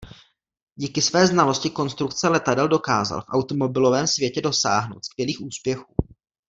Díky své znalosti konstrukce letadel dokázal v automobilovém světě dosáhnout skvělých úspěchů.